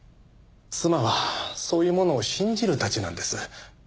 妻はそういうものを信じるタチなんです。